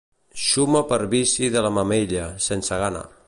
Xuma per vici de la mamella, sense gana.